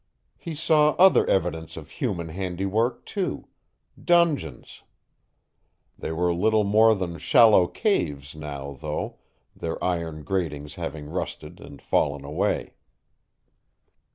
He saw other evidence of human handiwork too dungeons. They were little more than shallow caves now, though, their iron gratings having rusted and fallen away.